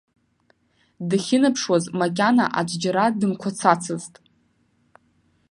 Дахьынаԥшуаз макьана аӡә џьара дымқәацацызт.